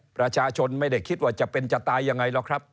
ประชาชนไม่ได้คิดว่าจะเป็นจะตายยังไงหรอกครับ